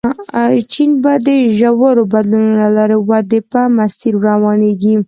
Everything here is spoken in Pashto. چین به د ژورو بدلونونو له لارې ودې په مسیر روانېږي.